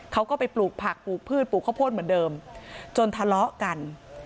เขาก็ไปปลูกผักปลูกพืชปลูกข้าวโพดเหมือนเดิมจนทะเลาะกัน